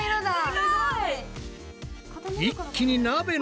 すごい！